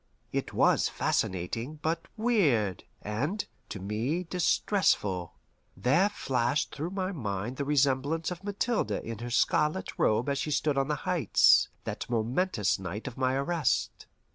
It was fascinating, but weird, and, to me, distressful. There flashed through my mind the remembrance of Mathilde in her scarlet robe as she stood on the Heights that momentous night of my arrest.